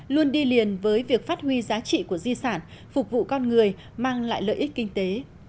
luôn đi liền với việc phát huy giá trị của di sản phục vụ con người mang lại lợi ích kinh tế